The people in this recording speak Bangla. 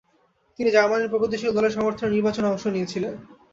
তিনি জার্মানির প্রগতিশীল দলের সমর্থনে নির্বাচনে অংশ নিয়েছিলেন।